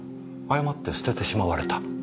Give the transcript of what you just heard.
誤って捨ててしまわれた？